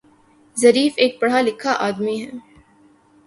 Zarif ایک پڑھا لکھا آدمی ہے